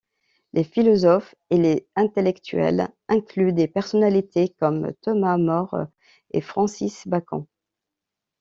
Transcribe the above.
Les philosophes et les intellectuels incluent des personnalités comme Thomas More et Francis Bacon.